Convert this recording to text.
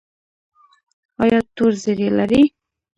ایا تور زیړی لرئ؟